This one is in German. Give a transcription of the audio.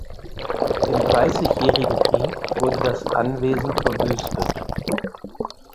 Im Dreißigjährigen Krieg wurde das Anwesen verwüstet.